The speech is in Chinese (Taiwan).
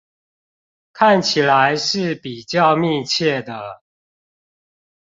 看起來是比較密切的